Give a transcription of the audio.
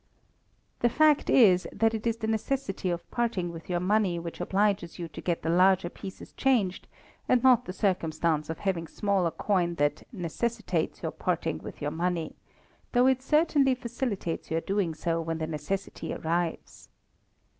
The fact is, that it is the necessity of parting with your money which obliges you to get the larger pieces changed, and not the circumstance of having smaller coin that necessitates your parting with your money, though it certainly facilitates your doing so when the necessity arrives.